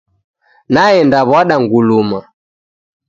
Naenda w'ada nguluma